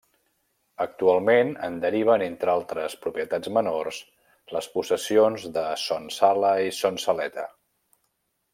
Actualment en deriven, entre altres propietats menors, les possessions de Son Sala i Son Saleta.